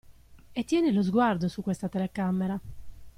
E tieni lo sguardo su questa telecamera.